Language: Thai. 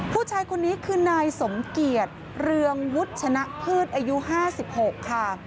ผู้ชายคนนี้คือนายสมเกียจเรืองวุชนะพืชอายุ๕๖ค่ะ